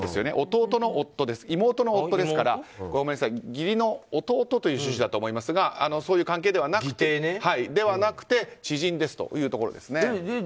妹の夫ですから義理の弟という趣旨だと思いますがそういう関係ではなくて知人ですということですね。